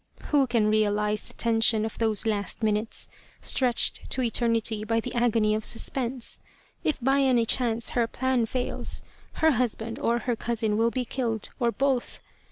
Who can realize the tension of those last minutes, stretched to eternity by the agony of suspense ? If by any chance her plan fails, her husband or her cousin will be killed, or both.